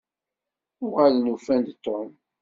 Uɣalen ufan-d Tom?